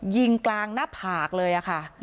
ยิงกลางหน้าผากเลยค่ะ